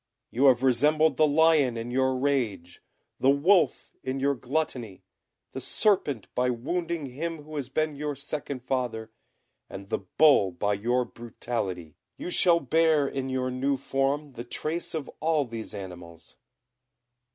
You have resembled the lion in your rage, the wolf in your gluttony, the serpent by wounding him who has been your second father, and the bull by your brutality. You shall bear in your new form the trace of all these animals."